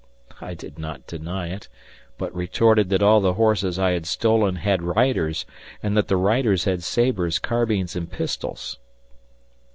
I did not deny it, but retorted that all the horses I had stolen had riders, and that the riders had sabres, carbines, and pistols.